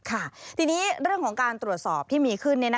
ค่ะทีนี้เรื่องของการตรวจสอบที่มีขึ้น